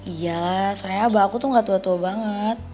iya soalnya abah aku tuh gak tua tua banget